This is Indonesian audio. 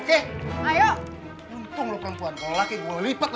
eh kurang lajah lo berani nyolong begitu lo